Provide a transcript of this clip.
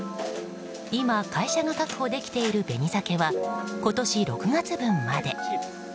今、会社が確保できている紅鮭は今年６月分まで。